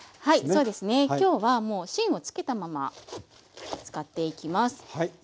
そうですね今日はもう芯を付けたまま使っていきます。